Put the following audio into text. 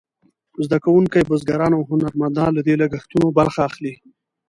زده کوونکي، بزګران او هنرمندان له دې لګښتونو برخه اخلي.